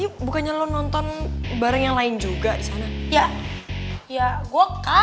indonesia pasa indonesia